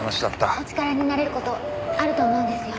お力になれる事あると思うんですよ。